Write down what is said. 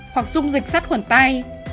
hoặc dùng dịch sắt khuẩn tay